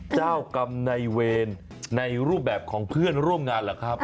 เจ้ากรรมในเวรในรูปแบบของเพื่อนร่วมงานเหรอครับ